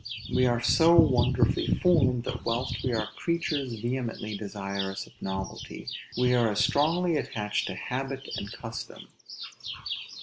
We are so wonderfully formed, that, whilst we are creatures vehemently desirous of novelty, we are as strongly attached to habit and custom.